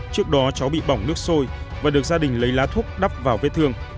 trước đó cháu bị bỏng nước sôi và được gia đình lấy lá thuốc đắp vào vết thương